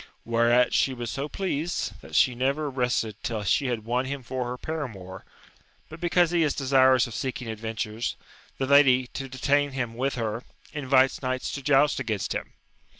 Whereat she was so pleased, that she never rested till she had won him for her paramour ; but because he is desirous of seeking adventures, the lady, to detain him with her, invites knights to joust against him.